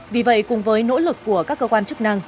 vì vậy cùng với nỗ lực của các cơ quan chức năng